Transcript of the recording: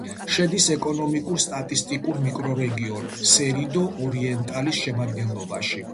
შედის ეკონომიკურ-სტატისტიკურ მიკრორეგიონ სერიდო-ორიენტალის შემადგენლობაში.